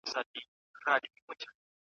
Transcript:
چي تر سترګو یې توییږي لپي ویني `